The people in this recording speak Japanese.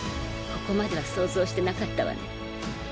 ここまでは想像してなかったわね。